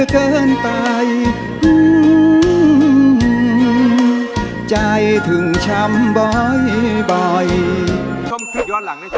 คุณแม่เชิญคุณแม่คุณแม่